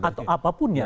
atau apapun ya